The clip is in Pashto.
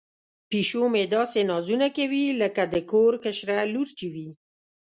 پیشو مې داسې نازونه کوي لکه د کور کشره لور چې وي.